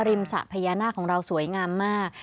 สระพญานาคของเราสวยงามมาก